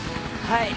はい。